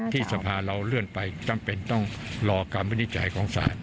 สภาเราเลื่อนไปจำเป็นต้องรอคำวินิจฉัยของศาล